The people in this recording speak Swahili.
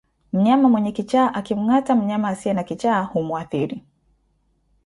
Mnyama mwenye kichaa akimngata mnyama asiye na kichaa humuathiri